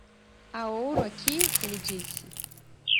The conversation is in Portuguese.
"Há ouro aqui?" ele disse.